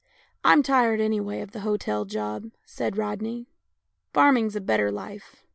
" I'm tired anyway of the hotel job," said Rodney. " Farming's a better life.